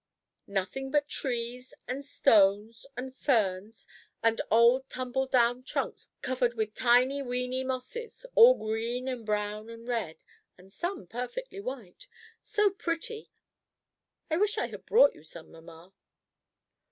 Nothing but trees, and stones, and ferns, and old tumbled down trunks covered with tiny weeny mosses, all green and brown and red, and some perfectly white, so pretty. I wish I had brought you some, mamma."